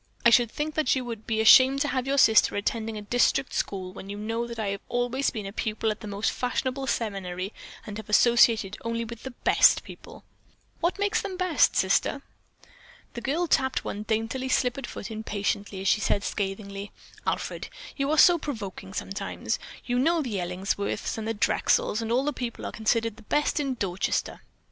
I should think that you would be ashamed to have your sister attending a district school when you know that I have always been a pupil at a most fashionable seminary and have associated only with the best people." "What makes them the best, Sister?" The girl tapped one daintily slippered foot impatiently as she said scathingly: "Alfred, you are so provoking sometimes. You know the Ellingsworths and the Drexels and all those people are considered the best in Dorchester."